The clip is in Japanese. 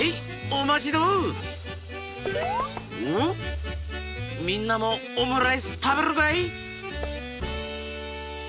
おみんなもオムライスたべるかい？